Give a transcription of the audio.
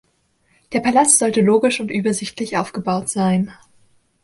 Der Palast sollte logisch und übersichtlich aufgebaut sein.